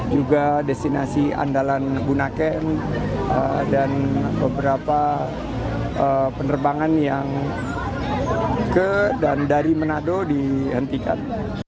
juga destinasi andalan bunaken dan beberapa penerbangan yang ke dan dari manado dihentikan